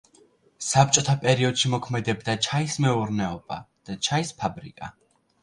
საბჭოთა პერიოდში მოქმედებდა ჩაის მეურნეობა და ჩაის ფაბრიკა.